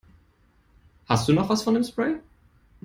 Hast du noch was von dem Spray?